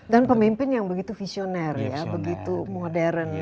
dan pemimpin yang begitu visioner begitu modern